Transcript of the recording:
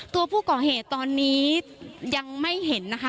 ตัวผู้ก่อเหตุตอนนี้ยังไม่เห็นนะคะ